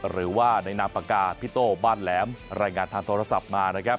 หรือว่าในนามปากกาพี่โต้บ้านแหลมรายงานทางโทรศัพท์มานะครับ